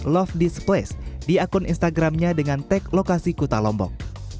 love displace di akun instagramnya dengan tag lokasi kuta lombok